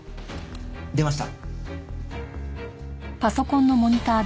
出ました。